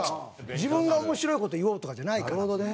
自分が面白い事言おうとかじゃないから。